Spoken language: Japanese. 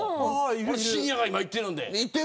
しんやが今、行ってるんで。